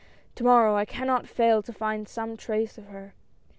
" To morrow I cannot fail to find some trace of her."